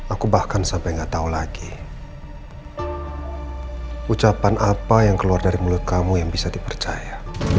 aku bahkan sampai gak tahu lagi ucapan apa yang keluar dari mulut kamu yang bisa dipercaya